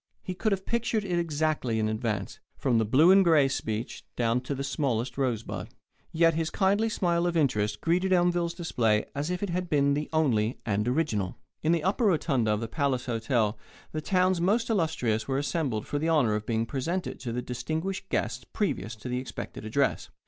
He could have pictured it exactly in advance, from the Blue and Gray speech down to the smallest rosebud. Yet his kindly smile of interest greeted Elmville's display as if it had been the only and original. In the upper rotunda of the Palace Hotel the town's most illustrious were assembled for the honour of being presented to the distinguished guests previous to the expected address.